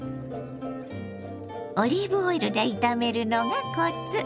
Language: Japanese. オリーブオイルで炒めるのがコツ。